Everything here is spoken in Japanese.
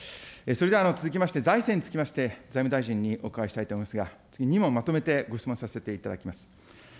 それでは続きまして、財政につきまして、財務大臣にお伺いしたいと思いますが、２問まとめてご質問させていただきます。